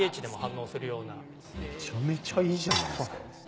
めちゃめちゃいいじゃないですか。